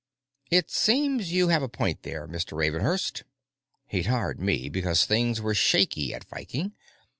"It seems you have a point there, Mr. Ravenhurst." He'd hired me because things were shaky at Viking.